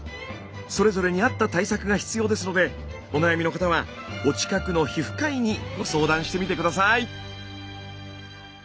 それぞれに合った対策が必要ですのでお悩みの方はお近くの皮膚科医にご相談してみて下さい。